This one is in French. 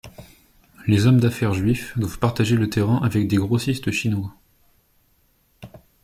Les hommes d'affaires juifs doivent partager le terrain avec des grossistes chinois.